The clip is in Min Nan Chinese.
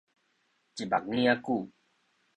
一目 𥍉 仔久